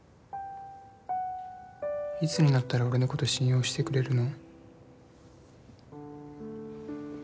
いつになったら俺のこと信用してくれるの？